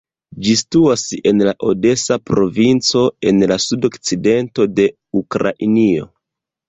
Ĝi situas en la odesa provinco, en la sudokcidento de Ukrainio.